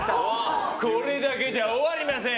これだけじゃ終わりません！